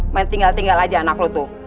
main tinggal tinggal aja anak lo tuh